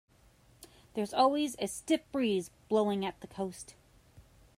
There's always a stiff breeze blowing at the coast.